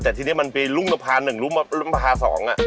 แต่ที่นี่มีลุ่มนภาพรุ้น๑ลุ่มนภาพรุ้น๒